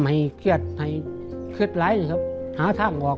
ทุกคนที่อยู่นี่เราก็ต้องเข้าทางออก